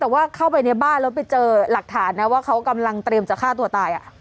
แต่ว่าเข้าไปในบ้านแล้วไปเจอหลักฐานนะว่าเขากำลังเตรียมจะฆ่าตัวตาย